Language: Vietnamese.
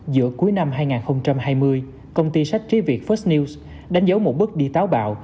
giữa cuối năm hai nghìn hai mươi công ty sách trí việt fust news đánh dấu một bước đi táo bạo